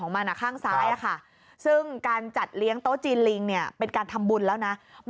คือข้างซ้ายข้างเดียวก็เรียกกันว่าไอ้ด้วนนี่แหละคุณผู้ชม